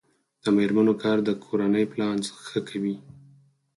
د میرمنو کار د کورنۍ پلان ښه کوي.